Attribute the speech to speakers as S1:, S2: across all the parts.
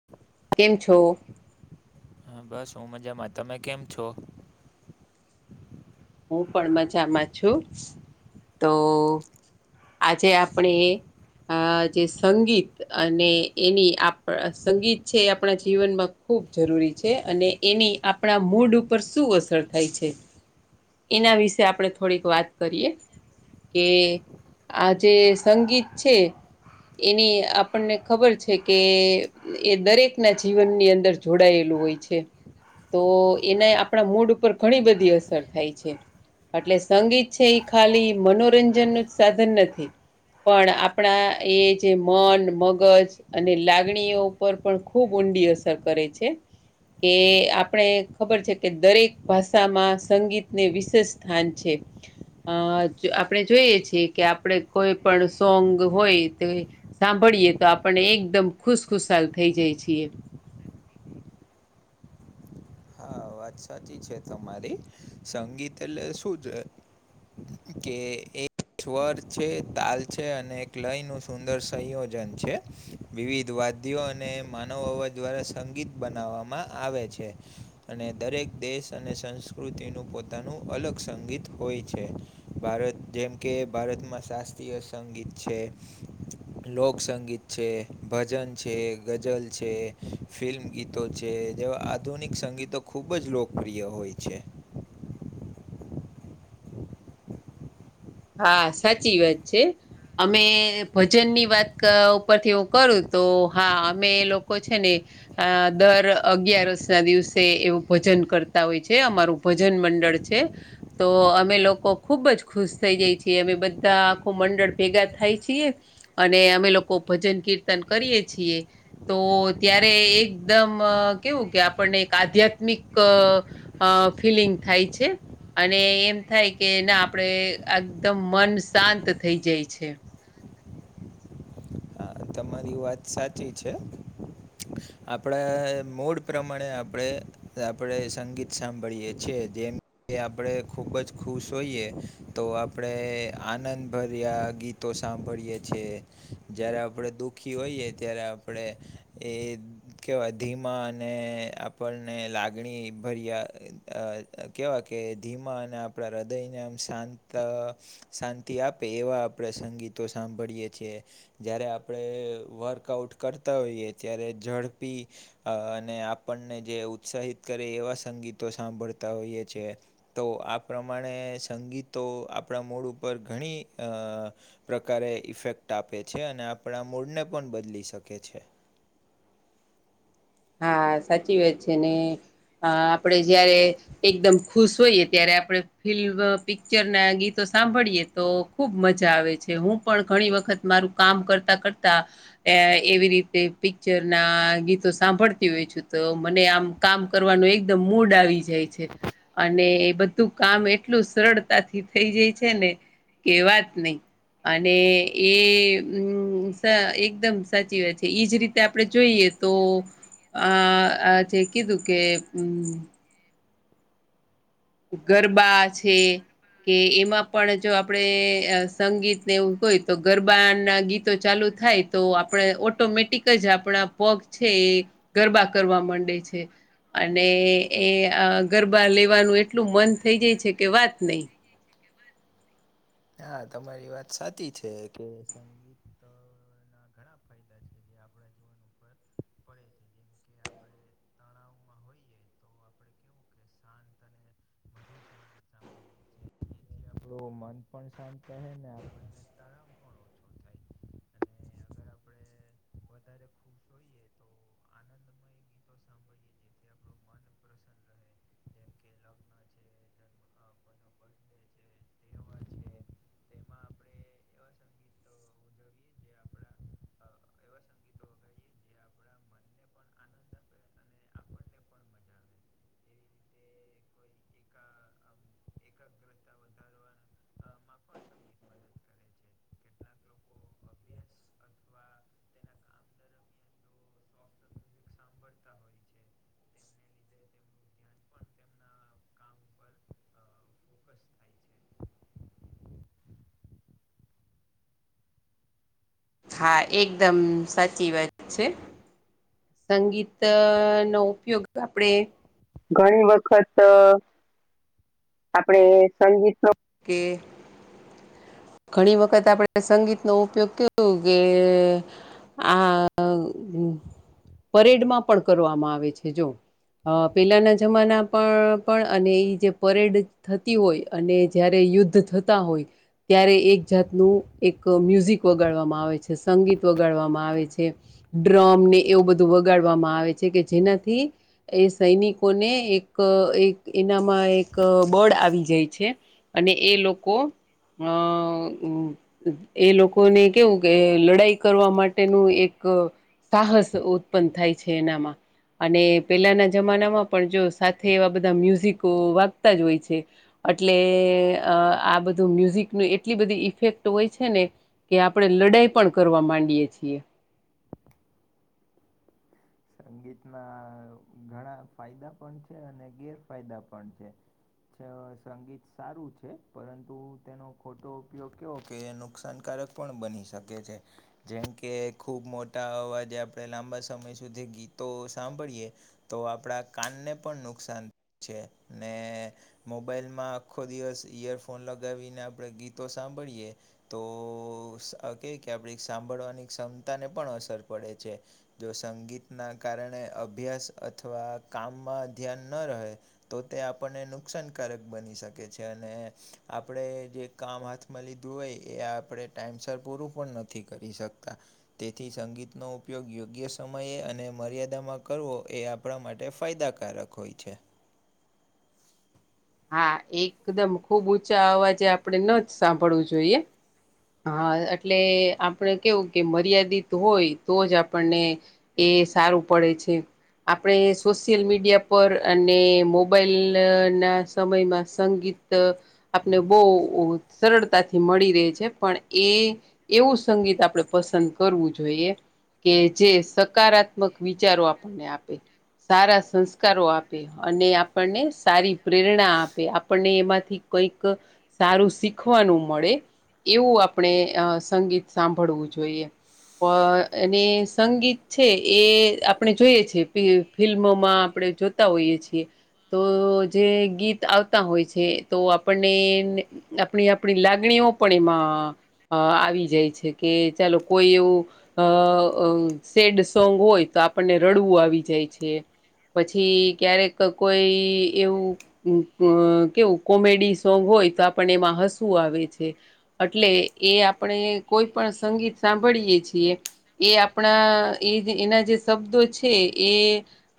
S1: [inaudible]
S2: કેમ છો
S1: હા બસ હું મજામાં તમે કેમ છો
S2: હું પણ મજામાં છું તો આજે આપણે આ જે સંગીત અને એની આપ સંગીત છે આપણા જીવનમાં ખૂબ જરૂરી છે અને એની આપણા મૂડ ઉપર શું અસર થાય છે એના વિશે આપણે થોડીક વાત કરીએ કે આજે સંગીત છે એની આપણને ખબર છે કે એ દરેક ના જીવનની અંદર જોડાયેલું હોય છે તો એને આપણા મૂડ ઉપર ઘણી બધી અસર થાય છે એટલે સંગીત છે એ ખાલી મનોરંજન નું જ સાધન નથી પણ આપણા એ જે મન મગજ અને લાગણીઓ ઉપર પણ ખૂબ ઊંડી અસર કરે છે કે આપણે ખબર છે કે દરેક ભાષામાં સંગીત ને વિશેષ સ્થાન છે. અ આપણે જોઈએ છીએ કે આપણે કોઈ પણ સોંગ હોય તે સાંભળીએ તો આપણને એકદમ ખુશખુશાલ થઇ જાય છીએ.
S1: હા વાત સાચી છે તમારી સંગીત એટલે શું છે? કે એ સ્વર છે, તાલ છે અને એક લયનું સુંદર સંયોજન છે. વિવિધ વાદીઓ અને માનવ હવા દ્વારા સંગીત બનાવવામાં આવે છે. અને દરેક દેશ અને સંસ્કૃતિનું પોતાનું અલગ સંગીત હોય છે. ભારત જેમ કે ભારતમાં શાસ્ત્રીય સંગીત છે. લોકસંગીત છે, ભજન છે, ગઝલ છે, ફિલ્મ ગીત તો જે જેવા આધુનિક સંગીતો ખૂબ જ લોકપ્રિય હોય છે.
S2: હા સાચી વાત છે. અમે ભજનની વાત ઉપરથી હું કરું તો હા અમે એ લોકો છે ને અ દર અગિયારસ ના દિવસે એવું ભજન કરતા હોય છે અમારું ભજન મંડળ છે તો અમે લોકો ખુબ જ ખુશ થઈ જાય છે અમે બધા આખું મંડળ ભેગા થાય છીએ અને અમે લોકો ભજન કીર્તન કરીએે છીએ. તો ત્યારે એકદમ કેવું કે આપણને એક આધ્યાત્મિક અ ફિલિંગ થાય છે અને એમ થાય કે ના આપણેે એકદમ મન શાંત થઈ જાય છે.
S1: હા તમારી વાત સાચી છે. આપણા મુડ પ્રમાણે આપણે આપણે સંગીત સાંભળીએ છીએ જેમ એ આપણે ખૂબ જ ખુશ હોઈએ તો આપણે આનંદભર્યા ગીત તો સાંભળીએ છીએ. જય્યારે આપણે દુઃખ આખી હોઈએ ત્યારે આપણે એ કહેવાય ધીમા અને આપણને લાગણી ભર્યા અ અ અ કહેવા કે ધીમા અને આપણા હૃદયને આમ શાંત ત શાંતિ આપે એવા આપણે સંગીતો સાંભળીએ છીએ જયયારે આપણે એ વર્કઆઉટ કરતા હોઈએ ત્યારે ઝડપી અ અને આપણને જે ઉત્સાહિત કરે એવા સંગીતો સાંભળતા હોઈએ છે. તો આ પ્રમાણે સંગીતો આપણા મૂડ ઉપર ઘણી અ પ્રકારે ઇફેક્ટ આપે છે અને આપણા મૂડને પણ બદલી શકે છે.
S2: હા સાચી વાત છે ને અ આપડે જયારે‌ એકદમ ખુશ હોઈએ ત્યારે આપણે ફિલ્મ પિક્ચર ના ગીતો સાંભળીએ તો ખૂબ મજા આવે છે હું પણ ઘણી વખત મારું કામ કરતાં કરતાં એવી રીતે પિક્ચરના ગીતો સાંભળતી હોય છું તો મને આમ કામ કરવાનું એકદમ મૂડ આવી જાય છે. અને એ બધું કામ એટલું સરળતા થી થઈ જાય છે ને. કેવાત નહી. અને એમ એકદમ સાચી વાત છે એઈજ રીતે આપડણે જોઈએ. તો અ જે કીધું કે હમ. ગરબા છે. કે એમાં પણ જો આપણે સંગીતને એવું હોય તો ગરબા ના ગીતો ચાલુ થાય. તો આપણે ઓટોમેટિક જ આપણા પગ છે એ ગરબા કરવા માંડે છે. અને એ ગરબા લેવાનું એટલું મન થઈ જાય છે કે વાત નહી.
S1: હા તમારી વાત સાચી છે કે સંગીત ઘણા ફાયદા છે જે આપણા જીવન ઉપર પડે છે જેમ કે [unintelligible] આપે તાણા ઉર હોઈએ. તો આપણે કેવું કે શાંત અને મધુર સંગીત સાંભળએ છીએ. [unintelligible] તેથી આપણું મન પણ શાંત રહે ને આપણને તળાવ પણ
S2: [inaudible]
S1: ગર આપ વધ આનંદમય. ગીતો સાંભળીએ જેથી આપણું મન પ્રસન્ન રહે જેમ કે લગ્ન છે તે છે, તેમાં આપણે સંગીતો ઉજવીએ જે આપડા એવા સંગીતો ગાઈએ. આનંદ આપ આપણને પણ મજા આવે. એવી રીતે કોઈ એકાગ્રતા વધાર સંગીત [unintelligible] છે કેટલાક લોકો અભ્યાસ અથવા તેના કામ દરમિયાન જો સોફ્ટ મ્યુઝિક સાંભળતા હોય. છે તેમને લીધે તેમનું ધ્યાન પણ તેમના કામ ઉપર ફોકસ થાય છે
S2: હા એકદમ સાચી વાત છે. સંગીત નો ઉપયોગ આપડે ઘણી વખત આપડે સંગીત ન ઘણી વખત આપણે સંગીતનોો ઉપયોગ કરું કે આ પરેડમાં પણ કરવામાં આવે છે જો. અ પેલાના જમાના પણ પણ અને એ જે પરેડ થતી હોય અને જય્યારે યુદ્ધ થતા હોય. ત્યારે એક જાતનું એક મ્યુઝિક વગાડવામાં આવે છે. સંગીત વગાડવામાં આવે છે. ડ્રમ ને એવું બધું વગાડવામાં આવે છે કે જેનાથી. એ સૈનિકોને એક એક એનામાં એક એક બળ આવી જાય છે, અને એ લોકો અ એ લોકોને કેવું કે લડાઈ કરવા માટેનું એક સાહસ ઉત્પન્ન થાય છે એનામાં અને પેલાના જમાનામાં પણ જો સાથે એવા બધા મ્યુઝિકો વાગતા જ હોય છે. એટલે આ બધું મ્યુઝિકનું એટલી બધી ઈફેક્ટ હોય છે ને. કે આપણેે લડાઈ પણ કરવા માંડીએ છીએ.
S1: સંગીતના ઘણા ફાયદા પણ છે અને ગેરફાયદા પણ છે સંગીત સારું છે પરંતુ તેનો ખોટો ઉપયોગ કેવો કે નુકસાનકારક પણ બની શકે છે જેમ કે ખૂબ મોટા અવાજે આપણે લાંબા સમય સુધી ગીતો સાંભળીએ તો આપડા કાનને પણ નુકસાન થ છે ને મોબાઈલમાં આખો દિવસ ઈયરફોન લગાવીને આપણે ગીતો સાંભળીએ તો કેવી કે આપડી સાંભળવાની ક્ષમતાને પણ અસર પડે છે જો સંગીત ના કારણે અભ્યાસ અથવા કામમાં ધ્યાન ન રહે તો તે આપણને નુકસાનકારક બની શકે છે અને આપણે જે કામ હાથમાં લીધું હોય એ આપણે ટાઈમસર પૂરું પણ નથી કરી શકતા તેથી સંગીતનો ઉપયોગ યોગ્ય સમયે અને મર્યાદામાં કરવો એ આપણા માટે ફાયદાકારક હોય છે.
S2: હા એકદમ ખુબ ઊંચા અવાજે આપણેે ન જ સાંભળવું જોઈએ. હા એટલે આપણે કેવું કે મર્યાદિત હોય તો જ આપણને એ સારું પડે છે આપણે સોશિયલ મીડિયા પર અને મોબાઈલના સમયમાં સંગીત આપને બહુ સરળતાથી મળી રહે છે પણ એ એવું સંગીત આપણેે પસંદ કરવું જોઈએ કે જે સકારાત્મક વિચારો આપણને આપે સારા સંસ્કારો આપે અને આપણને સારી પ્રેરણા આપે આપણને એમાંથી કઈક સારું શીખવાનું મળે એવું આપણે સંગીત સાંભળવું જોઈએ પણ એને સંગીત છે એ આપણે જોઈએ છે પ ફિલ્મોમાં આપણે જોતા હોઈએ છીએ તો. જે ગીત આવતા હોય છે તો આપણને. આપણી આપણી લાગણીઓ પણ એમાં આવી જાય છે કે ચાલો કોઈ એવું. અ સેડ સોંગ હોય તો આપણને રડવું આવી જાય છે. પછી ક્યારેક કોઈ. એવું કેવું કોમેડી સોંગ હોય તો આપણ એમાં હસવું આવે છે. એટલે એ આપણે કોઈ પણ સંગીત સાંભળીયે છીએ. એ આપણા એ એના જે શબ્દો છે એ.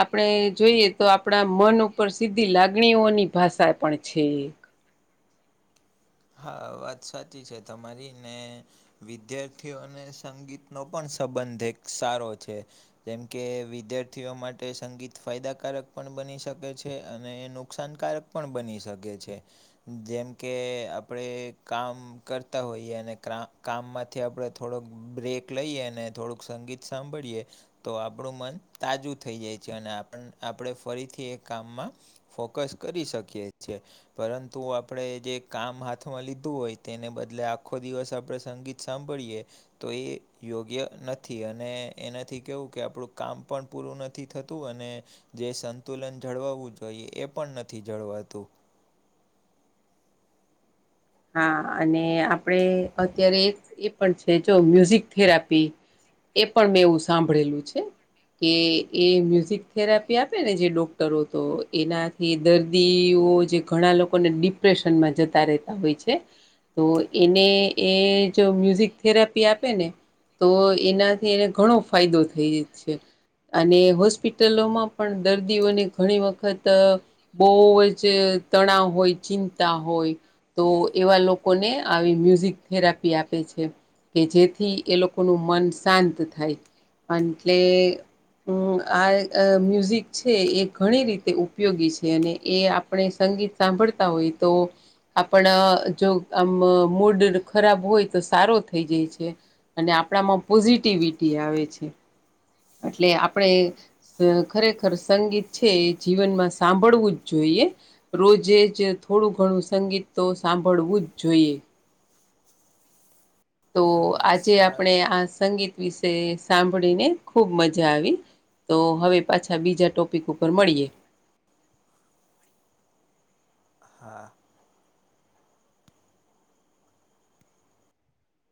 S2: આપણે જોઈએ તો આપણા મન ઉપર સીધી લાગણીઓની ભાષા પણ છે.
S1: હા વાત સાચી છે તમારી ને. વિદ્યાર્થીઓને સંગીતનોો પણ સંબંધ એક સારો છે. જેમ કે વિદ્યાર્થીઓ માટે સંગીત ફાયદાકારક પણ બની શકે છે અને નુકસાનકારક. પણ બની શકે છે જેમકે. આપણે કામ કરતા હોઈએ અને કામમાંથી આપણે થોડોક બ્રેક. લઈએ અને થોડુંક સંગીત સાંભળીએ. તો આપણું મન તાજું થઈ જાય છે અને આપણે ફરીથી એ કામમાં. ફોકસ કરી શકીએ છેીએ પરંતુ આપણે જે કામ હાથ. લીધું હોય તેને બદલે આખો દિવસ આપણે સંગીત સાંભળીએ. તો એ યોગ્ય નથી અને એનાથી કેવું કે આપણું કામ પણ. પૂરું નથી થતું અને જે સંતુલન જળવાવું જોઈએ એ પણ નથી જળવાતું.
S2: હા અને આપણે અત્યારે એ પણ છે જો મ્યુઝિક થેરાપી. એ પણ મેં એવું સાંભળેલું છે. કે એ મ્યુઝિક થેરાપી આપે ને જે ડોક્ટરો તો એના. એ દર્દીઓ જે ઘણા લોકોને ડિપ્રેશનમાં જતા રહેતા હોય છે. તો એને એ જો મ્યુઝિક થેરાપી આપે ને. તો એનાથી એને ઘણો ફાયદો થઈ જ છે. અને હોસ્પિટલોમાં પણ દર્દીઓને ઘણી વખત... બોઉ વજ તણાવ હોય, ચિંતા હોય. તો એવા લોકોને આવી મ્યુઝિક થેરાપી આપે છે. કે જેથી એ લોકોનુ મન સાંત થાય. અન એટલે.. હુ આ અ મ્યુઝિક છે, એ ઘણી રીતે ઉપયોગી છે અને એ આ આપણે સંગીત સાભળતા હોય તો. આપડ જો આમ મૂડ ખરાબ હોય તો સારો થઈ જઈ છે. અને આપણામા પોઝિટિવિટી આવે છે. એટલે આપડે. ખરેખર સંગીત છે એ જીવનમાં સાભળવું જ જોઈએ. રોજે જ થોડુ ઘણું સંગીત તો સાભળવું જ જોયે. તો
S1: હા
S2: આજે
S1: સાર
S2: આપણે આ સંગીત વિસે સાંભળીને ખૂબ મજા આવી. તો હવે પાછા બીજા ટોપિક ઉપર મળીએ.
S1: હા.